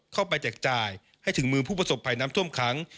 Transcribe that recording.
แจกจ่ายให้ถึงมือผู้ประสบภัยน้ำท่วมขัง